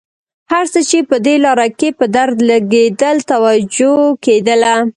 هر څه چې په دې لاره کې په درد لګېدل توجه کېدله.